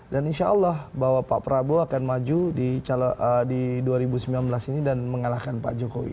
insya allah bahwa pak prabowo akan maju di dua ribu sembilan belas ini dan mengalahkan pak jokowi